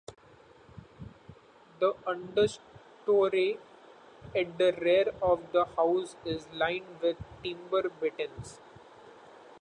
The understorey at the rear of the house is lined with timber battens.